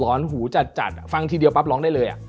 อนหูจัดฟังทีเดียวปั๊บร้องได้เลย